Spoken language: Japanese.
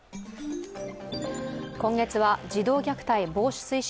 今月は児童虐待防止推進